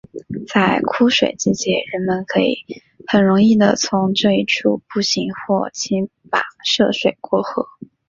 在枯水季节人们可以很容易的从这一处步行或骑马涉水过河。